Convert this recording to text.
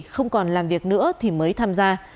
không còn làm việc nữa thì mới tham gia